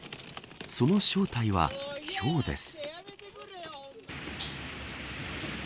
その正体は、ひょうです。